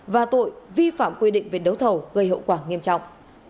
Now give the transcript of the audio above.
và tội vi phạm quy định về đấu thầu gây hậu quả nghiêm trọng